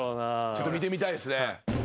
ちょっと見てみたいですね。